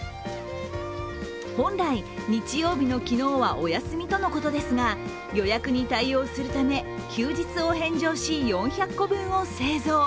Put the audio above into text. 本来、日曜日の昨日はお休みとのことですが、予約に対応するため休日を返上し４００個分を製造。